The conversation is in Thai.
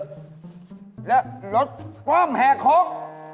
และรถกว้ำแห่โค๊ม